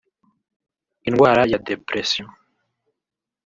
Indwara ya depression